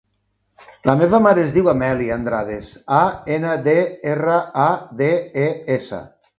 La meva mare es diu Amèlia Andrades: a, ena, de, erra, a, de, e, essa.